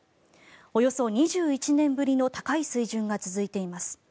およそ２１年ぶりの高い水準が続いています。